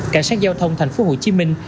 cảnh sát giao thông thành phố hồ chí minh